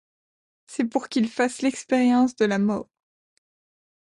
C’est pour qu’ils fassent l’expérience de la mort.